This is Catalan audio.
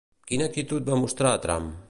Quina actitud va mostrar Trump?